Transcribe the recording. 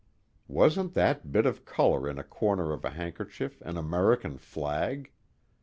Wasn't that bit of color in a corner of a handkerchief an American flag?